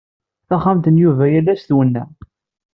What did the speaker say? Taxxamt n Yuba yal ass twenneɛ.